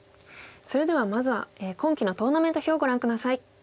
それではまずは今期のトーナメント表をご覧下さい。